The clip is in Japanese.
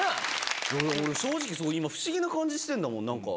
正直、不思議な感じしてるんだもん、なんか。